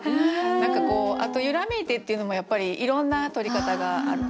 何かこうあと「揺らめいて」っていうのもやっぱりいろんなとり方がある。